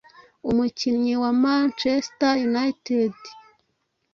umukinnyi wa manchester united